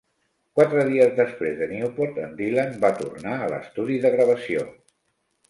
Quatre dies després de Newport, en Dylan va tornar a l'estudi de gravació.